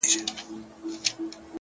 چي له تا مخ واړوي تا وویني;